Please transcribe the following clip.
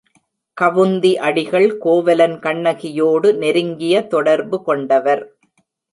கவுந்தி அடிகள் கோவலன் கண்ணகியோடு நெருங்கிய தொடர்பு கொண்டவர்.